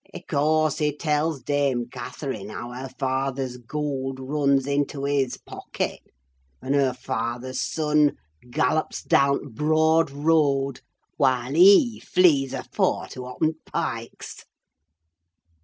I' course, he tells Dame Catherine how her fathur's goold runs into his pocket, and her fathur's son gallops down t' broad road, while he flees afore to oppen t' pikes!